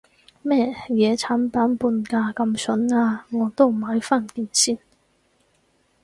乜嘢產品半價咁筍啊，我都買返件先